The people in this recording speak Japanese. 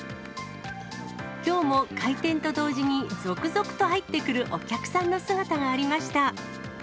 きょうも開店と同時に続々と入ってくるお客さんの姿がありました。